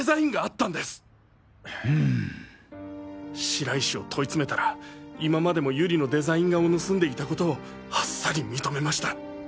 白石を問い詰めたら今までもゆりのデザイン画を盗んでいたことをあっさり認めました。